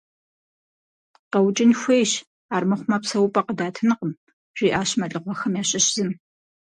КъэукӀын хуейщ, армыхъумэ псэупӀэ къыдатынкъым, - жиӀащ мэлыхъуэхэм ящыщ зым.